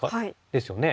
ですよね。